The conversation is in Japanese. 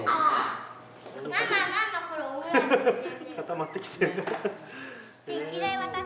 固まってきてる。